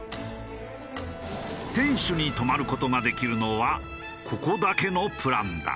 天守に泊まる事ができるのはここだけのプランだ。